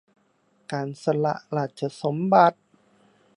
การสละราชสมบัติ